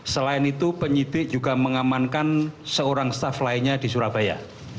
selain itu penyidik juga mengamankan seorang staff lainnya di surabaya